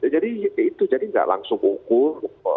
jadi jadi itu jadi tidak langsung mengukur